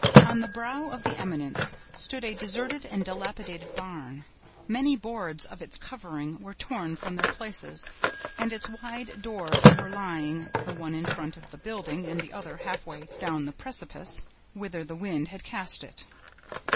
On the brow of the eminence stood a deserted and dilapidated barn. Many boards of its covering were torn from their places, and its wide doors were lying, the one in front of the building, and the other halfway down the precipice, whither the wind had cast it.